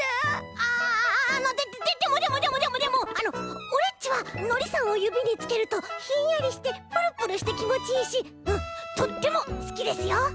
あああのでもでもでもでもでもオレっちはのりさんをゆびにつけるとひんやりしてプルプルしてきもちいいしとってもすきですよ！